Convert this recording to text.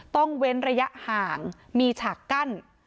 เว้นระยะห่างมีฉากกั้น